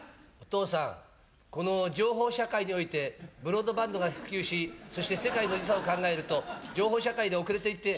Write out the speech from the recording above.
父さん、この情報社会において、ブロードバンドが普及し、そして世界の時差を考えると、情報社会に遅れていって。